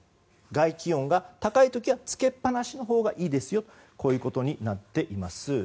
外気温が高い時はつけっぱなしのほうがいいとこういうことになっています。